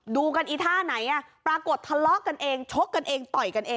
ดูกันอีท่าไหนปรากฏทะเลาะกันเองชกกันเองต่อยกันเอง